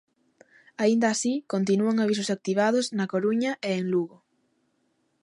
Aínda así continúan avisos activados na Coruña e en Lugo.